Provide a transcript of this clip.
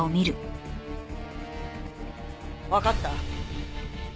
わかった。